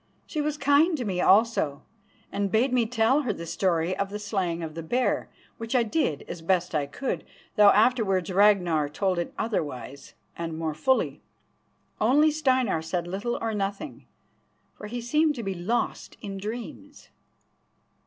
She was kind to me also, and bade me tell her the story of the slaying of the bear, which I did as best I could, though afterwards Ragnar told it otherwise, and more fully. Only Steinar said little or nothing, for he seemed to be lost in dreams.